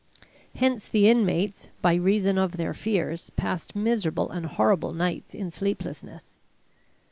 Hence the inmates, by reason of their fears, passed miserable and horrible nights in sleeplessness.